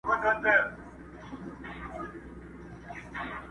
سړي وویل ستا ورور صدراعظم دئ!.